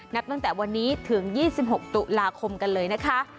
นับตั้งแต่วันนี้ถึง๒๖ตุลาคมกันเลยนะคะ